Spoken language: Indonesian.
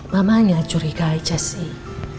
mamanya curiga aja sih